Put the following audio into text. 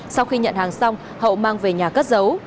sau khi nhận hàng xong hậu mang về nhà cất giấu